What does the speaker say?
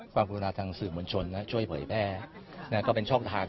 ฝ่าฟุนาทังสิมวลชนช่วยเผยแพร่ก็เป็นช่องทาง